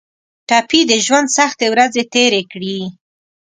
ټپي د ژوند سختې ورځې تېرې کړي.